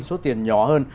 số tiền nhỏ hơn